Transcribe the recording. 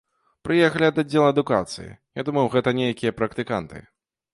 Прыехалі ад аддзела адукацыі, я думаў, гэта нейкія практыканты.